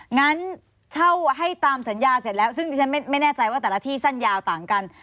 งั้นเช่าให้ตามสัญญาเสร็จแล้วซึ่งดิฉันไม่แน่ใจว่าแต่ละที่สั้นยาวต่างกัน